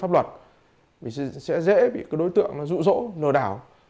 pháp luật sẽ dễ bị đối tượng rụ rỗ lừa đảo